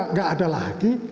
tidak ada lagi